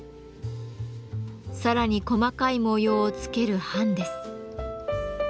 さらに細かい模様をつける版です。